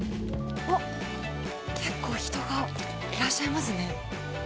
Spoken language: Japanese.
あっ、結構人がいらっしゃいますね。